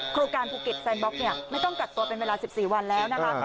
โครงการภูเก็ตแซนบล็อกไม่ต้องกักตัวเป็นเวลา๑๔วันแล้วนะคะ